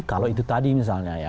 kalau itu tadi misalnya ya